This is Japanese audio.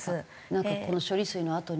なんかこの処理水のあとに。